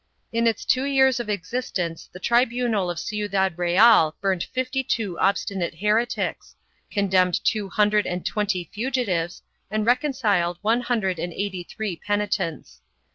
1 In its two years of existence the tribunal of Ciudad Real burnt fifty two obstinate heretics, condemned two hundred and twenty fugitives and reconciled one hundred and eighty three penitents.